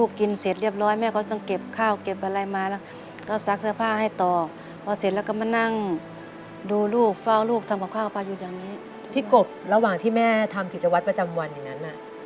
พี่กบระหว่างที่แม่ทำกิจวัตรประจำวันอย่างนั้น